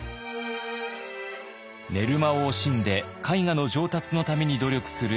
寝る間を惜しんで絵画の上達のために努力する崋山。